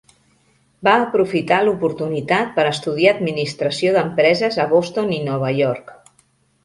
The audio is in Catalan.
Va aprofitar l'oportunitat per estudiar Administració d'Empreses a Boston i Nova York.